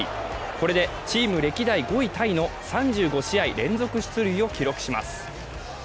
これでチーム歴代５位タイの３５試合連続出塁を記録します。